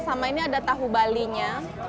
sama ini ada tahu balinya